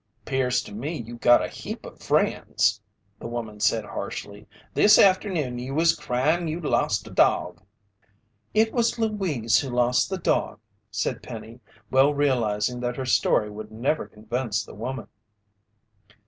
"'Pears to me you got a heap o' friends," the woman said harshly. "This afternoon you was cryin' you lost a dog." "It was Louise who lost the dog," said Penny, well realizing that her story would never convince the woman.